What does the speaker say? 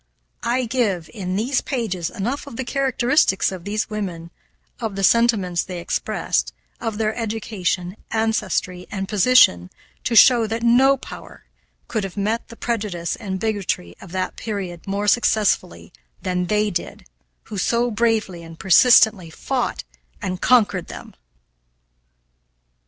I give, in these pages, enough of the characteristics of these women, of the sentiments they expressed, of their education, ancestry, and position to show that no power could have met the prejudice and bigotry of that period more successfully than they did who so bravely and persistently fought and conquered them.